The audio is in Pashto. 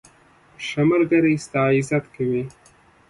ښه ملګری ستا عزت کوي.